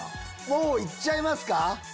もう行っちゃいますか。